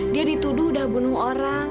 dia dituduh udah bunuh orang